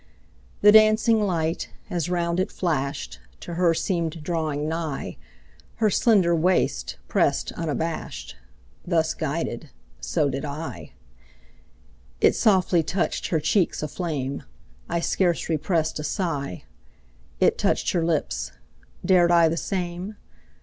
The dancing light as round it flashed To her seemed drawing nigh, Her slender waist pressed unabashed; Thus guided, so did I. It softly touched her cheeks aflame. I scarce repressed a sigh. It touched her lips. Dared I the same?